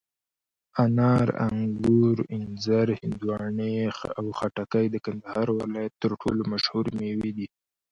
انار، انګور، انځر، هندواڼې او خټکي د کندهار ولایت تر ټولو مشهوري مېوې دي.